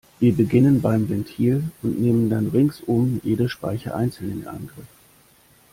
Wir beginnen beim Ventil und nehmen dann ringsum jede Speiche einzeln in Angriff.